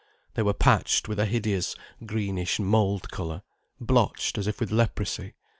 They were patched with a hideous, greenish mould colour, blotched, as if with leprosy.